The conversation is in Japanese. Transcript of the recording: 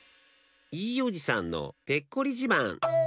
いいおじさんのペッコリじまん。